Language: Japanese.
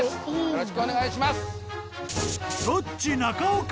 よろしくお願いします。